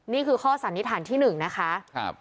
นี่คือข้อสันนิษฐานที่๑นะคะ